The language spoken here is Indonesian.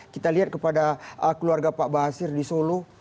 kita lihat kepada keluarga pak basir di solo